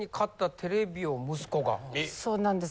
そうなんです。